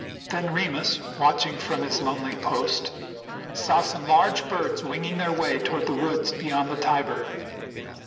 Then Remus, watching from his lonely post, saw some large birds winging their way toward the woods beyond the Tiber.